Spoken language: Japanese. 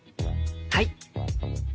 はい！